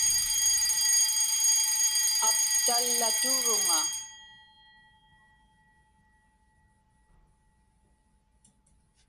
Aptallaturuŋa.